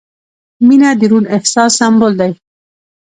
• مینه د روڼ احساس سمبول دی.